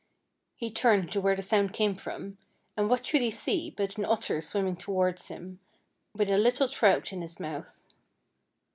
He turned to where the sound came from, and what should he see but an otter swimming towards him, with a little trout in his mouth.